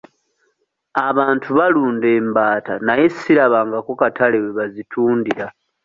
Abantu balunda embaata naye sirabangako katale we bazitundira.